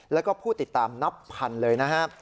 แล้วก็ผู้ติดตามนับพันธุ์เลยนะฮะ